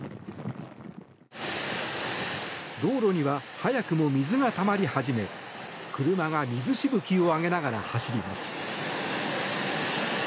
道路には早くも水がたまり始め車が水しぶきを上げながら走ります。